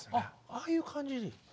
あああいう感じ。